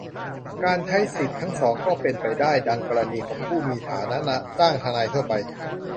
การใช้สิทธิทั้งสองก็เป็นไปได้ - ดังกรณีของผู้มีฐานะจ้างทนายทั่วไป